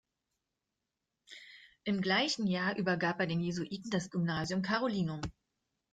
Im gleichen Jahr übergab er den Jesuiten das Gymnasium Carolinum.